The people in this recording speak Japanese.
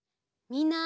みんな！